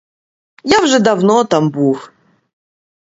Я вже давно там був.